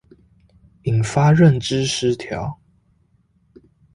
引發認知失調